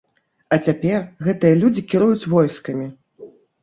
А цяпер гэтыя людзі кіруюць войскамі!